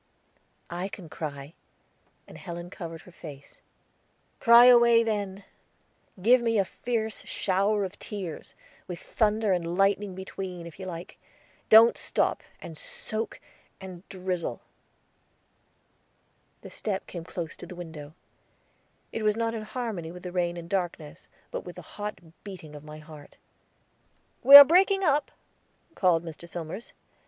"I can cry," and Helen covered her face. "Cry away, then. Give me a fierce shower of tears, with thunder and lightning between, if you like. Don't sop, and soak, and drizzle." The step came close to the window; it was not in harmony with the rain and darkness, but with the hot beating of my heart. "We are breaking up," called Mr. Somers. "Mr.